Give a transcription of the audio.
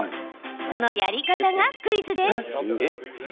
そのやり方がクイズです。